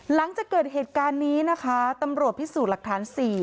หลังจากเกิดเหตุการณ์นี้นะคะตำรวจพิสูจน์หลักฐาน๔